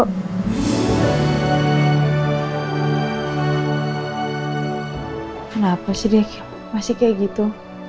kenapa sih deh masih kayak gitu